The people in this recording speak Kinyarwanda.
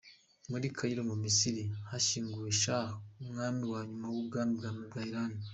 Muri Cairo mu Misiri hashyinguwe Shah , umwami wa nyuma w’ubwami bwa Iran.